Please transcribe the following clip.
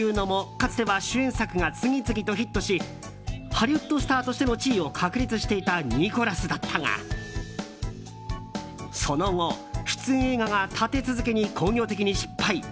かつては主演作が次々とヒットしハリウッドスターとしての地位を確立していたニコラスだったがその後、出演映画が立て続けに興行的に失敗。